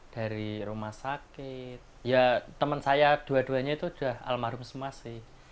dari rumah sakit ya teman saya dua duanya itu sudah almarhum semua sih